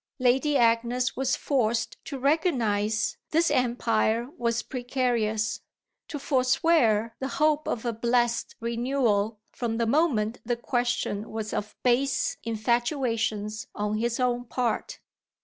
Lady Agnes was forced to recognise this empire as precarious, to forswear the hope of a blessed renewal from the moment the question was of base infatuations on his own part.